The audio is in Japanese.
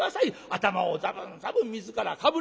頭をザブンザブン水かぶり